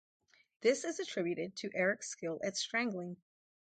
This is attributed to Erik's skill at strangling.